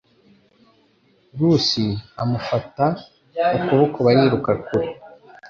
Lucy amufata ukuboko bariruka kure